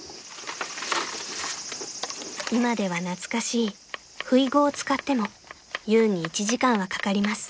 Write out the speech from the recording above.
［今では懐かしいふいごを使っても優に１時間はかかります］